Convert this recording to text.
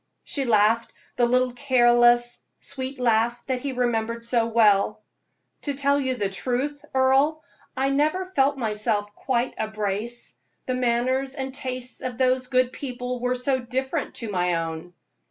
She laughed the little, careless, sweet laugh that he remembered so well. "To tell the plain truth, Earle, I never felt myself quite a Brace the manners and tastes of those good people were so different to my own."